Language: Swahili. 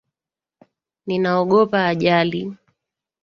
Ninaogopa ajali.